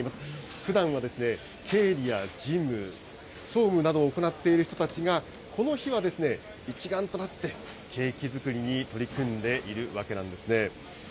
ふだんは経理や事務、総務などを行っている人たちが、この日は一丸となって、ケーキ作りに取り組んでいるわけなんですね。